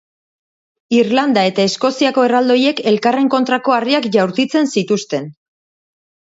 Irlanda eta Eskoziako erraldoiek elkarren kontrako harriak jaurtitzen zituzten.